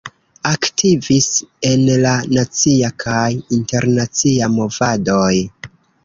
Aktivis en la nacia kaj internacia movadoj.